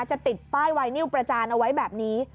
จะติดป้ายไวนิวประจานเอาไว้แบบนี้